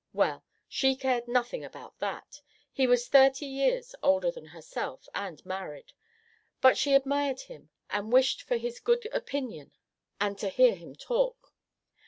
Well, she cared nothing about that; he was thirty years older than herself and married; but she admired him and wished for his good opinion and to hear him talk.